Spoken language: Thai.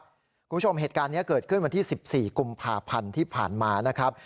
คุณผู้ชมเหตุการณ์นี้เกิดขึ้นวันที่๑๔กุมภาพันธ์ที่ผ่านมานะครับ